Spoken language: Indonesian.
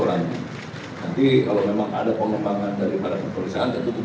saya juga berharap kepada masyarakat masyarakat tersebut